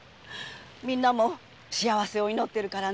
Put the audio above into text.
みんなも幸せを祈っているからね。